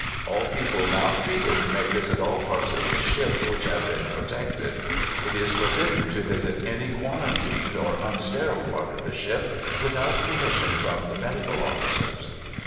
All people now treated may visit all parts of the ship which have been protected. It is forbidden to visit any quarantined or unsterile part of the ship without permission from the medical officers."